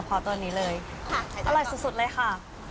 เพราะตัวนี้เลยอร่อยสุดเลยค่ะ